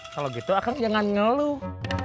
kalau gitu akan jangan ngeluh